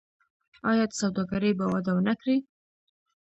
آیا سوداګري به وده ونه کړي؟